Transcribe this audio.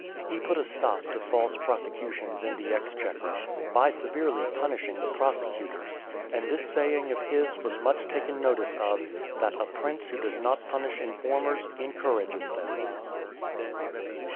He put a stop to false prosecutions in the exchequer, by severely punishing the prosecutors; and this saying of his was much taken notice of "that a prince who does not punish informers, encourages them."